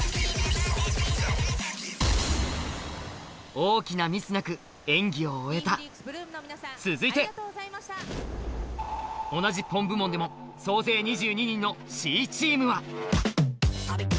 大きなミスなく演技を終えた続いて同じ Ｐｏｍ 部門でも総勢２２人の Ｃ チーム